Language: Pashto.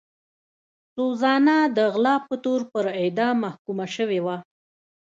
سوزانا د غلا په تور پر اعدام محکومه شوې وه.